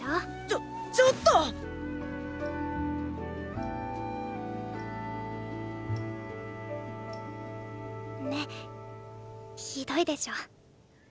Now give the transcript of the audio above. ちょちょっと！ねひどいでしょ。